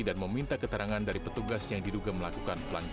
dan meminta keterangan dari petugas yang telah mencari pembunuh